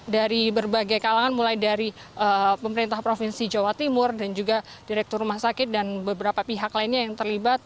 dari berbagai kalangan mulai dari pemerintah provinsi jawa timur dan juga direktur rumah sakit dan beberapa pihak lainnya yang terlibat